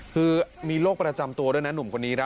คือมีโรคประจำตัวด้วยนะหนุ่มคนนี้ครับ